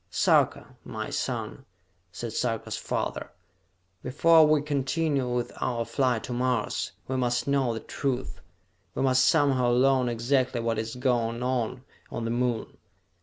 "Sarka, my son," said Sarka's father, "before we continue with our flight to Mars, we must know the truth! We must somehow learn exactly what is going on on the Moon!